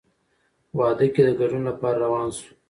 واده کې د ګډون لپاره روان شوو.